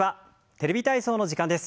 「テレビ体操」の時間です。